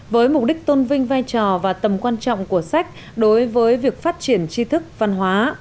với mục đích tôn vinh vai trò và tầm quan trọng của sách đối với việc phát triển chi thức văn hóa